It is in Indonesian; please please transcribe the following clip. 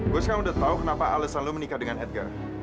gue sekarang udah tau kenapa ales selalu menikah dengan edgar